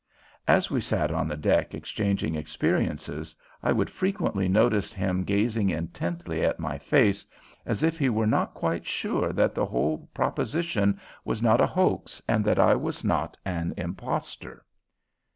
As we sat on the deck exchanging experiences I would frequently notice him gazing intently in my face as if he were not quite sure that the whole proposition was not a hoax and that I was not an impostor.